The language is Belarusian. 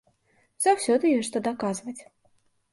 Заўсёды ёсць што даказваць.